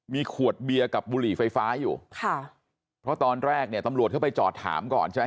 มีขวดเบียร์กับบุหรี่ไฟฟ้าอยู่ค่ะเพราะตอนแรกเนี่ยตำรวจเข้าไปจอดถามก่อนใช่ไหม